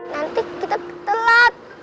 nanti kita telat